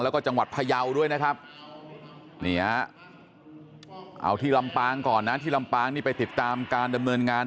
แล้วก็จังหวัดพยาวด้วยนะครับนี่ฮะเอาที่ลำปางก่อนนะที่ลำปางนี่ไปติดตามการดำเนินงาน